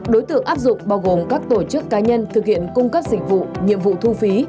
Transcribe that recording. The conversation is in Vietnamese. đối tượng áp dụng bao gồm các tổ chức cá nhân thực hiện cung cấp dịch vụ nhiệm vụ thu phí